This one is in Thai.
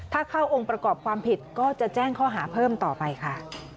ถ้าเข้าองค์ประกอบความผิดก็จะแจ้งข้อหาเพิ่มต่อไปค่ะ